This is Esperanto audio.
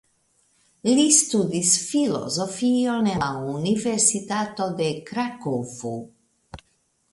Li studis filozofion en la Universitato de Krakovo.